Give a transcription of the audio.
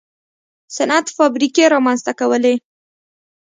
صنعت فابریکې رامنځته کولې.